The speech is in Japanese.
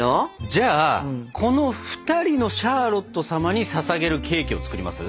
じゃあこの２人のシャーロット様にささげるケーキを作ります？